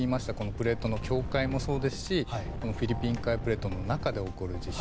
プレートの境界もそうですしフィリピン海プレートの中で起こる地震